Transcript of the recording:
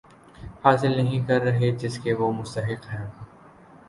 حاصل نہیں کر رہے جس کے وہ مستحق ہیں